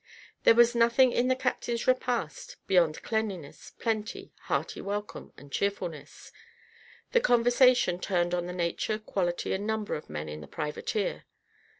There was nothing in the captain's repast beyond cleanliness, plenty, hearty welcome, and cheerfulness. The conversation turned on the nature, quality, and number of men in the privateer.